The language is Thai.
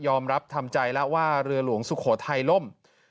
รับทำใจแล้วว่าเรือหลวงสุโขทัยล่ม